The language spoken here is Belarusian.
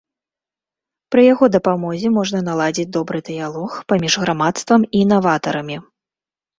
Пры яго дапамозе можна наладзіць добры дыялог паміж грамадствам і наватарамі.